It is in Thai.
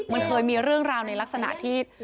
มันเคยมีเรื่องราวในลักษณะที่